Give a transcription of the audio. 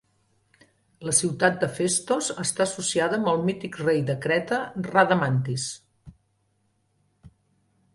La ciutat de Festos està associada amb el mític rei de Creta Radamantis.